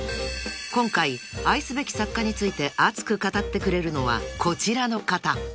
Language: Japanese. ［今回愛すべき作家について熱く語ってくれるのはこちらの方］